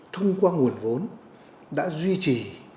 thông qua nguồn vốn đã duy trì